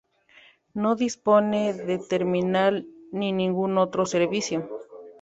No dispone de terminal ni ningún otro servicio.